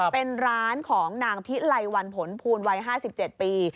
เป็นร้านของนางพิไลวันผลภูลวัย๕๗ปี